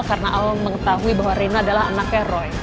karena al mengetahui bahwa reina adalah anaknya roy